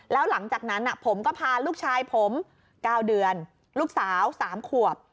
แล้วหลังจากนั้นผมก็พาลูกชายผม๙เดือนลูกสาว๓ขวบ